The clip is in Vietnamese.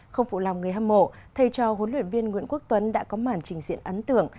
không phụ lòng người hâm mộ thay cho huấn luyện viên nguyễn quốc tuấn đã có mản trình diện ấn tượng